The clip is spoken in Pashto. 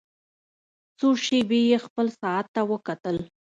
څو شېبې يې خپل ساعت ته وکتل.